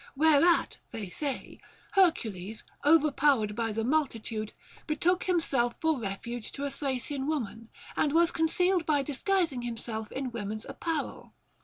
Whereat (they say) Hercules, overpowered by the multitude, betook himself for refuge to a Thracian woman, and was concealed by disguising himself in woman's ap parel.